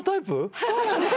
そうなんです。